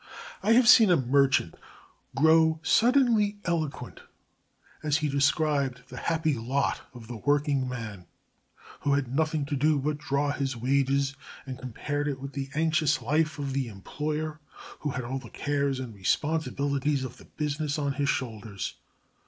I have seen a merchant grow suddenly eloquent as he described the happy lot of the working man, who had nothing to do but draw his wages, and compared it with the anxious life of the employer, who had all the cares and responsibilities of the business on his shoulders.